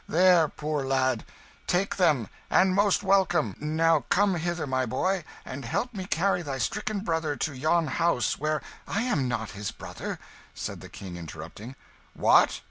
"There, poor lad, take them and most welcome. Now come hither, my boy, and help me carry thy stricken brother to yon house, where " "I am not his brother," said the King, interrupting. "What!